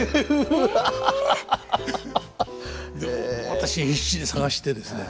私必死に探してですね